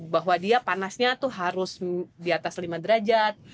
bahwa dia panasnya tuh harus diatas lima derajat